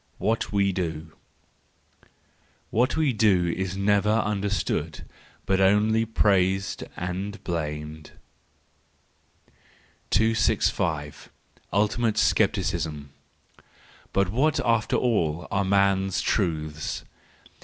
What we Do .—What we do is never understood, but only praised and blamed. 265. Ultimate Scepticism .—But what after all are man's truths